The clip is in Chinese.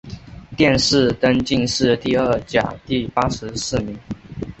殿试登进士第二甲第八十四名。